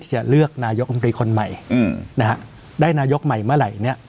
จะเลือกนายกอมตรีคนใหม่ได้นายกใหม่เมื่อไหร่